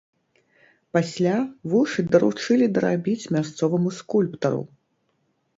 Пасля вушы даручылі дарабіць мясцоваму скульптару.